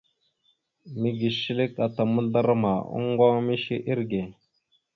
Mege shəlek ata mazlarəma, oŋŋgoŋa ma mishe irəge.